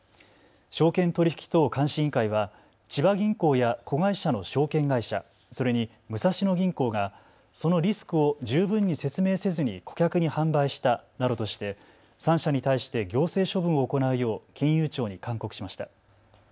証券取引等監視委員会は千葉銀行や子会社の証券会社、それに武蔵野銀行がそのリスクを十分に説明せずに顧客に販売したなどとして３社に対して行政処分を行うよう金融庁に勧告しました。